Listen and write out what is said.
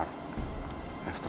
jadi lihat ini